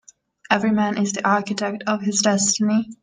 Every man is the architect of his destiny.